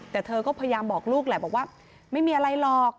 แต่เธอก็พยายามบอกลูกแหละบอกว่าไม่มีอะไรหรอก